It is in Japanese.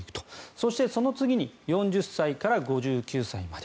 そしてその次に４０歳から５９歳まで。